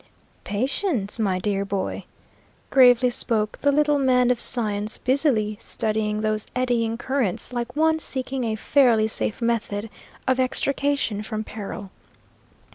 "Patience, my dear boy," gravely spoke the little man of science, busily studying those eddying currents like one seeking a fairly safe method of extrication from peril.